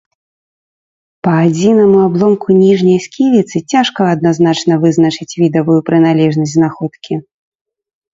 Па адзінаму абломку ніжняй сківіцы цяжка адназначна вызначыць відавую прыналежнасць знаходкі.